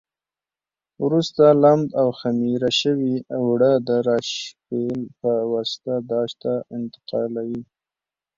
وروسته لمد او خمېره شوي اوړه د راشپېل په واسطه داش ته انتقالوي.